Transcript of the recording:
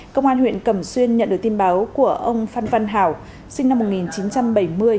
công an huyện cẩm xuyên nhận được tin báo của ông phan văn hảo sinh năm một nghìn chín trăm bảy mươi